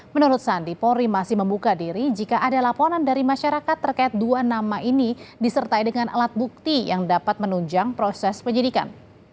menurut sandi polri masih membuka diri jika ada laporan dari masyarakat terkait dua nama ini disertai dengan alat bukti yang dapat menunjang proses penyidikan